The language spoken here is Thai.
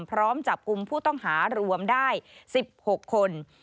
พร้อมจับกลุ่มผู้ต้องหารวมได้๑๖คน